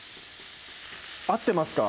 合ってますか？